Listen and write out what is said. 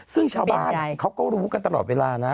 ซึ่งชาวบ้านเขาก็รู้กันตลอดเวลานะ